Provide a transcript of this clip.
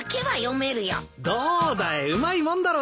どうだいうまいもんだろう。